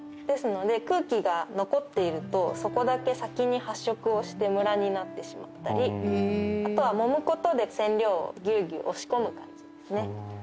ですので空気が残っているとそこだけ先に発色をしてむらになってしまったりあとはもむことで染料をぎゅうぎゅう押し込む感じですね。